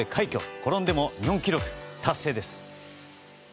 転んでも日本記録達成です。